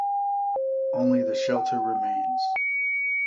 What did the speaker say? Only the shelter remains.